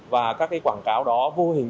và các cái quảng cáo đó vô hình